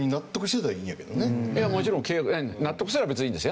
いやもちろん契約納得したら別にいいんですよ。